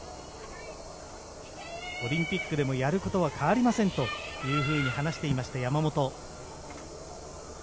オリンピックでもやることは変わりませんと話していました、山本。